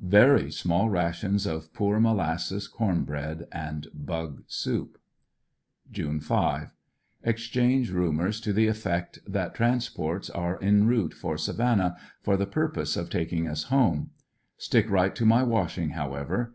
Very small rations of poor molasses, corn bread and bug soup. June 5. — Exchange rumors to the effect that transports are en route for Savannah for the purpose of takmg us home. Stick right to my washing however.